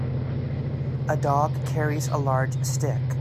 A dog carries a large stick.